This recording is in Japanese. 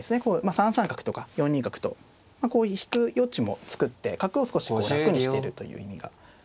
３三角とか４二角とこう引く余地も作って角を少しこう楽にしているという意味がありますね。